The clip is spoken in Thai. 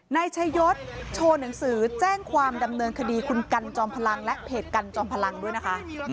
นายชายศโชว์หนังสือแจ้งความดำเนินคดีคุณกันจอมพลังและเพจกันจอมพลังด้วยนะคะ